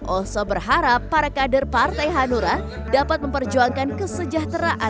oso berharap para kader partai hanura dapat memperjuangkan kesejahteraan